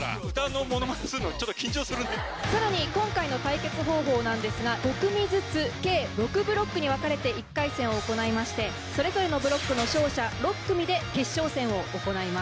さらに今回の対決方法なんですが５組ずつ計６ブロックに分かれて１回戦を行いましてそれぞれのブロックの勝者６組で決勝戦を行います。